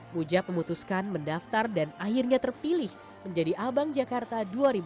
mujab memutuskan mendaftar dan akhirnya terpilih menjadi abang jakarta dua ribu dua puluh